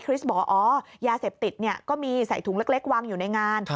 คริสบอกอ๋อยาเสพติดเนี่ยก็มีใส่ถุงเล็กวางอยู่ในงาน